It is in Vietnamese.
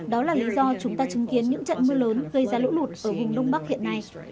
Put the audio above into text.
đó là lý do chúng ta chứng kiến những trận mưa lớn gây ra lũ lụt ở vùng đông bắc hiện nay